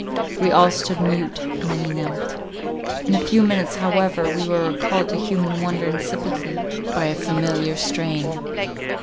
We all stood mute; many knelt. In a few minutes however, we were recalled to human wonder and sympathy by a familiar strain.